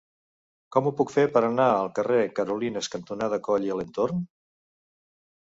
Com ho puc fer per anar al carrer Carolines cantonada Coll i Alentorn?